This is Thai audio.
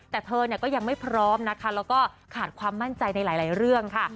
แต่เธอก็ยังไม่พร้อมนะคะแล้วก็ขาดความมั่นใจในหลายเรื่องค่ะ